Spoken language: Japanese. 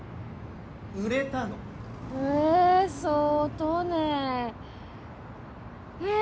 売れたのええそうとねええ